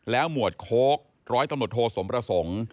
แล้วหมวดโค๊กร้อยตำรดโทสมประสงค์